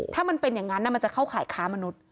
ถ้ามันเป็นอย่างนั้นมันจะเข้าข่ายค้ามนุษย์